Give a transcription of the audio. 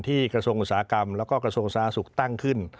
ที่กระทรงอุตสาหกรรมแล้วก็กระทรงอุตสาหกศึกตั้งขึ้น